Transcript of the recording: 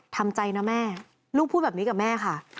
ทำใจนะแม่ลูกพูดแบบนี้กับแม่ค่ะ